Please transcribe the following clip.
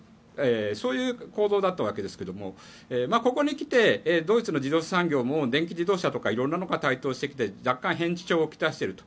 そういう行動だったわけですがここにきてドイツの自動車産業も電気自動車とかいろいろなのが台頭してきて若干変調をきたしていると。